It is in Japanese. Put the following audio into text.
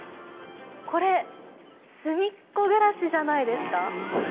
これ「すみっコぐらし」じゃないですか？